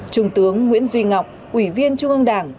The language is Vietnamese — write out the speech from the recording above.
trung tướng nguyễn duy ngọc ủy viên trung ương đảng